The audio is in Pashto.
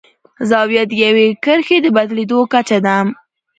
زاویه د یوې کرښې د بدلیدو کچه ده.